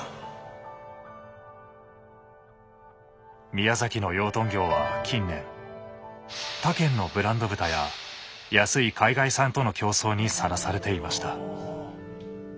宮崎の養豚業は近年他県のブランド豚や安い海外産との競争にさらされていました。